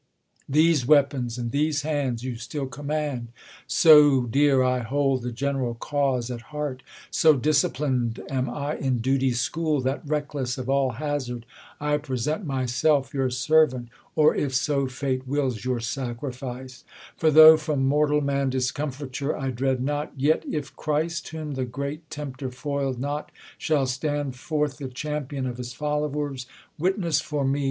These weapons and these hands you still command : So dear I hold the general cause at heart, So disciplin'd am I in duty's school, That reckless of all hazard T present Myself your servant, or, if so fate wills, Your sacrifice : for though from mortal man Discomfiture I dread not ; yet if Christ, W^hom the great tempter foil'd not, shall stand forth The cham[)ion of his followers, witness for me.